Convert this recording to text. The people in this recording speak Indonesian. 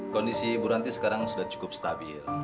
kondisi bu ranti sekarang sudah cukup stabil